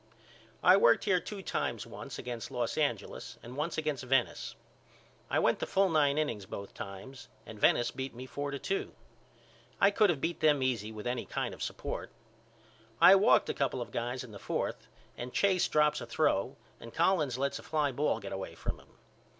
I worked here two times once against Los Angeles and once against Venice. I went the full nine innings both times and Venice beat me four to two. I could of beat them easy with any kind of support. I walked a couple of guys in the fourth and Chase drops a throw and Collins lets a fly ball get away from him.